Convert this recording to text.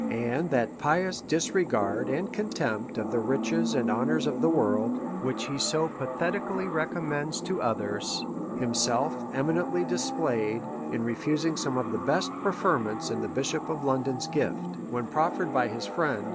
And that pious disregard and contempt of the riches and ho nours of the world, which he so pathetically recom mends to others, himself eminently displayed in refu sing' some of the best preferments in ihe Bishop of London's gift, when proferred by his friend.